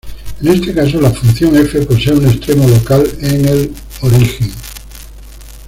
En este caso la función "f" posee un extremo local en el origen.